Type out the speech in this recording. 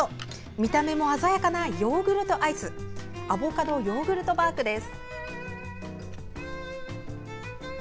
見た目も鮮やかなヨーグルトアイスアボカドヨーグルトバークです。